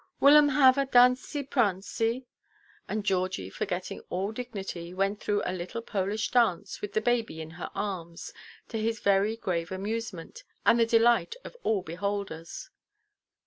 Will um have a dancey–prancey?" And Georgie, forgetting all dignity, went through a little Polish dance, with the baby in her arms, to his very grave amazement, and the delight of all beholders.